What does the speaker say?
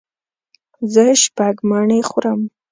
زه شپږ مڼې خورم.